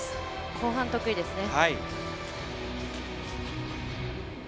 後半が得意ですね。